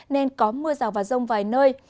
nên có mưa rào và rông vài nơi